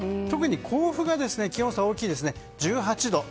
特に甲府が気温差大きいですね。